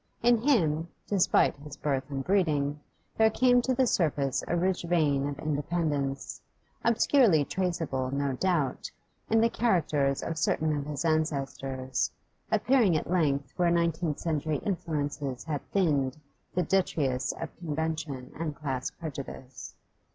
In him, despite his birth and breeding, there came to the surface a rich vein of independence, obscurely traceable, no doubt, in the characters of certain of his ancestors, appearing at length where nineteenth century influences had thinned the detritus of convention and class prejudice.